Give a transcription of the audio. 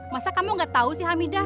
masa kamu gak tau sih hamidah